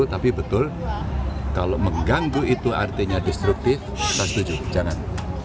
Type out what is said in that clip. tapi betul kalau mengganggu itu artinya destruktif kita setuju jangan